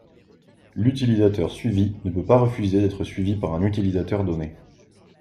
L'utilisateur suivi ne peut pas refuser d'être suivi par un utilisateur donné.